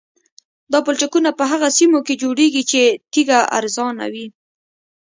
دا پلچکونه په هغه سیمو کې جوړیږي چې تیږه ارزانه وي